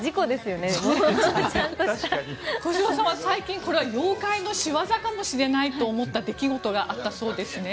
小芝さん、最近これは妖怪のしわざかもしれないと思った出来事があったそうですね。